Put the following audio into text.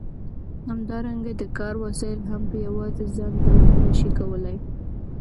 همدارنګه د کار وسایل هم په یوازې ځان تولید نشي کولای.